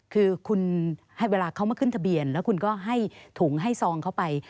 คือคุณให้เวลาเขามาขึ้นทะเบียนแล้วคุณก็ให้ถุงให้ซองเข้าไป